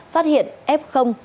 phát hiện f